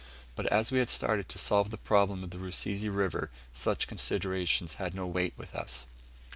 But, as we had started to solve the problem of the Rusizi River, such considerations had no weight with us.